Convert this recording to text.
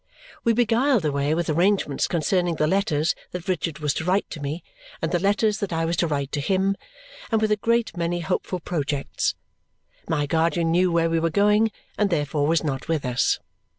We beguiled the way with arrangements concerning the letters that Richard was to write to me and the letters that I was to write to him and with a great many hopeful projects. My guardian knew where we were going and therefore was not with us.